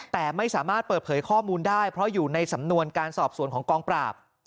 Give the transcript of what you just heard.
แต่ไม่สามารถเปิดเผยข้อมูลได้เพราะอยู่ในสำนวนการสอบสวนของกองปราบ